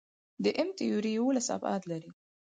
د M-تیوري یوولس ابعاد لري.